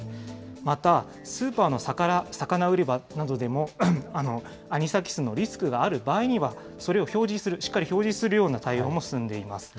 またスーパーの魚売り場などでも、アニサキスのリスクがある場合には、それを表示する、しっかり表示するような対応も進んでいます。